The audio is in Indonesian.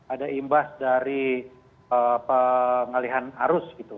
ada imbas dari pengalihan arus gitu